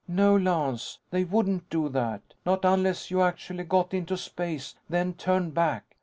"No, Lance. They wouldn't do that. Not unless you actually got into space, then turned back.